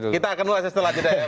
kita akan nulis setelah ini